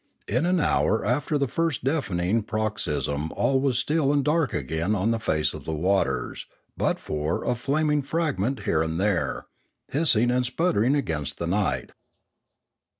In an hour after the first deafening paroxysm all was still and dark again on the face of the waters, but for a flaming fragment here and there, hissing and sputtering against the night.